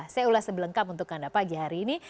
saya ulas sebelengkap untuk anda pagi hari ini